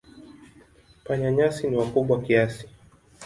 Panya-nyasi ni wakubwa kiasi.